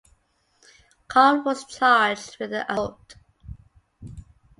Khan was charged with the assault.